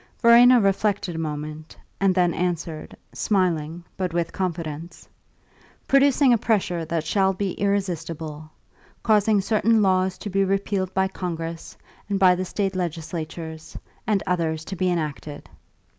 Verena reflected a moment, and then answered, smiling, but with confidence: "Producing a pressure that shall be irresistible. Causing certain laws to be repealed by Congress and by the State legislatures, and others to be enacted."